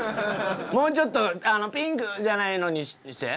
もうちょっとピンクじゃないのにして。